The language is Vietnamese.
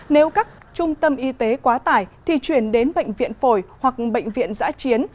nếu các trung tâm y tế quá tải thì chuyển đến bệnh viện phổi hoặc bệnh viện giã chiến